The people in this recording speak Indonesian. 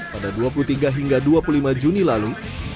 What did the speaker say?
pada dua puluh tiga hingga dua puluh lima juni lalu